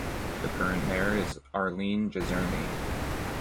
The current mayor is Arlene Jezierny.